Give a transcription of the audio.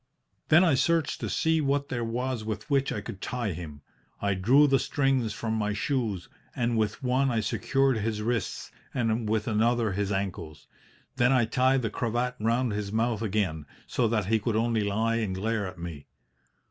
"Then I searched to see what there was with which I could tie him. I drew the strings from my shoes, and with one I secured his wrists, and with another his ankles. Then I tied the cravat round his mouth again, so that he could only lie and glare at me.